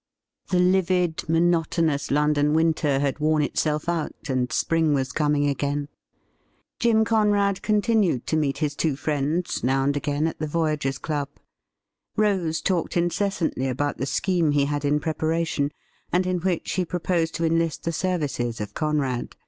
The livid, monotonous London winter had worn itself out, and spring was coming again. Jim Conrad continued to meet his two friends now and again at the Voyagers' Club. Rose talked incessantly about the scheme he had in pre paration, and in which he proposed to enlist the services of Conrad.